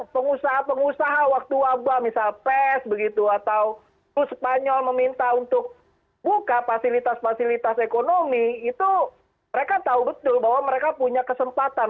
pengusaha pengusaha waktu wabah misal pes begitu atau spanyol meminta untuk buka fasilitas fasilitas ekonomi itu mereka tahu betul bahwa mereka punya kesempatan